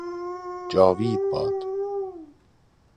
جاوید باد!